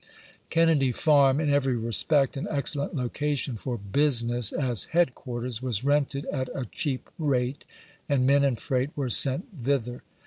Kennedy Farm, in every respect an excellent location for business as " head quarters," was rented at a cheap rate, and men and freight were sent thither.